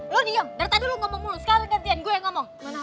lo diem dari tadi lo ngomong mulu sekali gantian gue yang ngomong